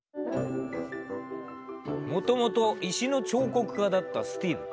もともと石の彫刻家だったスティーブ。